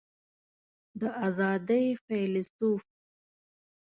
د آزادۍ فیلیسوف